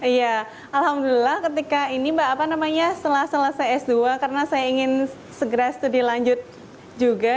iya alhamdulillah ketika ini mbak apa namanya setelah selesai s dua karena saya ingin segera studi lanjut juga